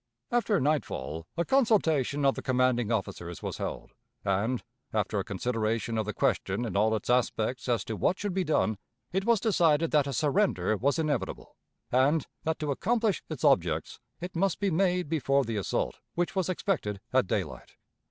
After nightfall a consultation of the commanding officers was held, and, after a consideration of the question in all its aspects as to what should be done, it was decided that a surrender was inevitable, and, that to accomplish its objects, it must be made before the assault, which was expected at daylight.